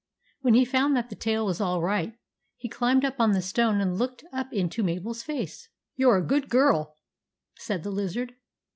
When he found that the tail was all right, he climbed up on the stone and looked up into Mabel's face. " You are a good girl," said the lizard.